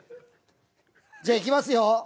じゃいきますよ。